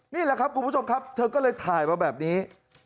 นี่แหละครับคุณผู้ชมครับเธอก็เลยถ่ายมาแบบนี้